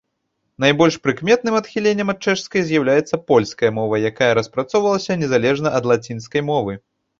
Найбольш прыкметным адхіленнем ад чэшскай з'яўляецца польская мова, якая распрацоўвалася незалежна ад лацінскай мовы.